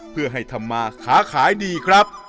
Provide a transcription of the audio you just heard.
เพื่อให้ทำมาค้าขายดีครับ